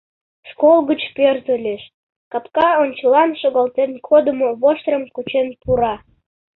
Школ гыч пӧртылеш, капка ончылан шогалтен кодымо воштырым кучен пура.